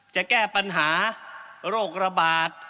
จะแก้ปัญหาโรคระบาด